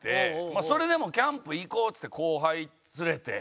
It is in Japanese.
それでも「キャンプ行こう」っつって後輩連れて。